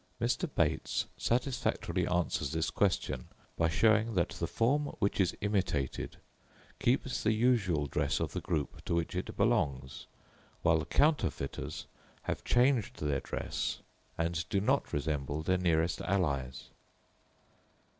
Mr. Bates satisfactorily answers this question by showing that the form which is imitated keeps the usual dress of the group to which it belongs, while the counterfeiters have changed their dress and do not resemble their nearest allies.